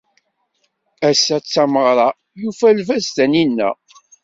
Ass-a d tameɣra, yufa lbaz taninna.